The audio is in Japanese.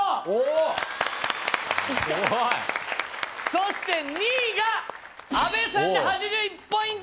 ・そして２位が阿部さんで８１ポイント。